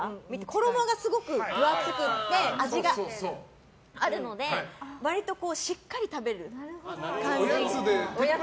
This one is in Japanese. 衣がすごく分厚くて味があるのでわりとしっかり食べる感じ。